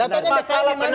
datanya di dki di mana